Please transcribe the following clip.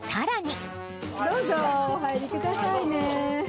どうぞ、お入りくださいね。